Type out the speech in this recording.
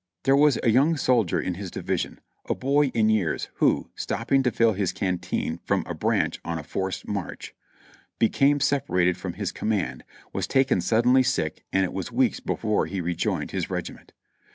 There was a young soldier of his division, a boy in years, who, stopping to fill his canteen from a branch on a forced march, be came separated from his command, was taken suddenly sick and it was weeks before he rejoined his regiment.